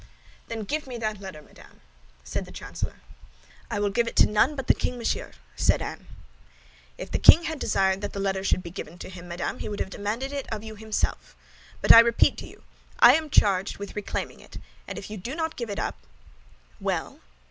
"Then give me that letter, madame," said the chancellor. "I will give it to none but the king, monsieur," said Anne. "If the king had desired that the letter should be given to him, madame, he would have demanded it of you himself. But I repeat to you, I am charged with reclaiming it; and if you do not give it up—" "Well?"